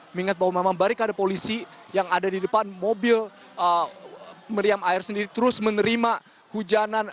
mengingat bahwa memang barikade polisi yang ada di depan mobil meriam air sendiri terus menerima hujanan